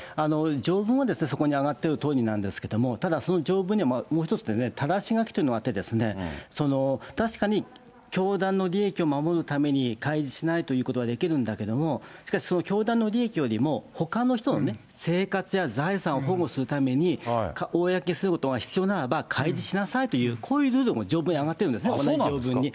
条文はそこにあがっているとおりなんですが、ただ、その条文にはもう一つ、ただし書きというのがあってですね、確かに教団の利益を守るために、開示しないということはできるんだけれども、しかしその教団の利益よりも、ほかの人の生活や財産を保護するために、公にすることは必要ならば、開示しなさいというこういうルールも条文にあがってるんですね、同じ条文に。